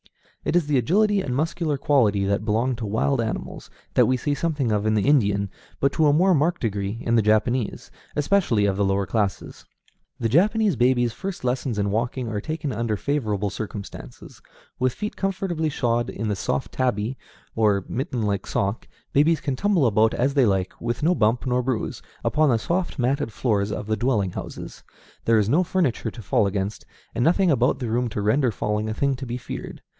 It is the agility and muscular quality that belong to wild animals, that we see something of in the Indian, but to a more marked degree in the Japanese, especially of the lower classes. The Japanese baby's first lessons in walking are taken under favorable circumstances. With feet comfortably shod in the soft tabi, or mitten like sock, babies can tumble about as they like, with no bump nor bruise, upon the soft matted floors of the dwelling houses. There is no furniture to fall against, and nothing about the room to render falling a thing to be feared.